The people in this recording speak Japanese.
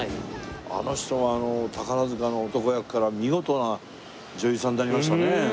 あの人は宝塚の男役から見事な女優さんになりましたね。